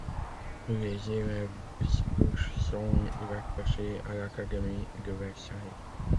Les élèves d'Estouches sont rattachés à l'académie de Versailles.